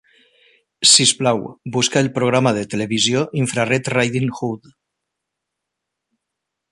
Sisplau, busca el programa de TV Infrared Riding Hood.